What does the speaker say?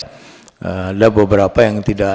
ada beberapa yang tidak